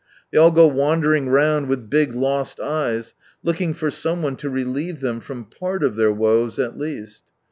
They all go wandering round with big, lost eyes, looking for someone to relieve them from ■part of their woes, at least.